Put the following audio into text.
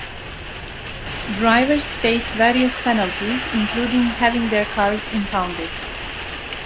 Drivers face various penalties, including having their cars impounded.